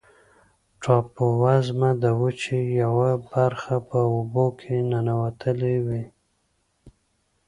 ټاپووزمه د وچې یوه برخه په اوبو کې ننوتلې وي.